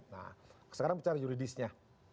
nah sekarang bicara juridisnya